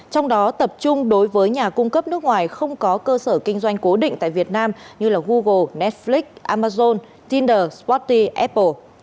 trong đó tập trung đối với nhà cung cấp nước ngoài không có cơ sở kinh doanh cố định tại việt nam như google netflix amazon tiner spoty apple